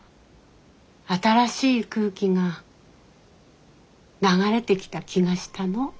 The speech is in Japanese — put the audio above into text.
新しい空気が流れてきた気がしたの。